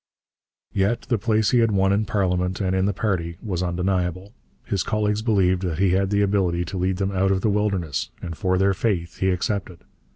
Yet the place he had won in parliament and in the party was undeniable. His colleagues believed that he had the ability to lead them out of the wilderness, and for their faith he accepted.